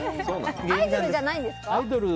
アイドルじゃないんですか？